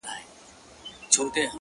لاس يې د ټولو کايناتو آزاد؛ مړ دي سم؛